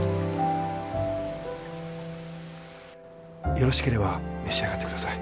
よろしければ召し上がってください。